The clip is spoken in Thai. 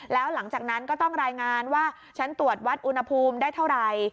แล้วหลังจากนั้นก็ต้องรายงานว่าฉันตรวจวัดอุณหภูมิได้เท่าไหร่